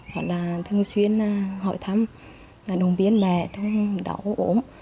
hoặc là thường xuyên hỏi thăm đồng biến mẹ trong đau ổn